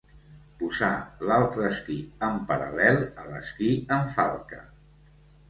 Posar l'altre esquí en paral·lel a l'esquí en falca.